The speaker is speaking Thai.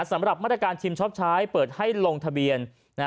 สำหรับมาตรการชิมชอบใช้เปิดให้ลงทะเบียน